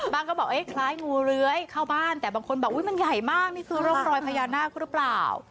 ก็บอกคล้ายงูเลื้อยเข้าบ้านแต่บางคนบอกอุ๊ยมันใหญ่มากนี่คือร่องรอยพญานาคหรือเปล่า